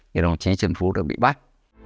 thì đồng chí trần phú được bị bắt